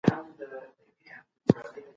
کتابتوني پلټنه پر چاپي موادو استواره ده.